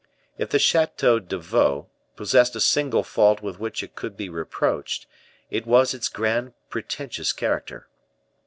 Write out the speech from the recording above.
If the Chateau de Vaux possessed a single fault with which it could be reproached, it was its grand, pretentious character.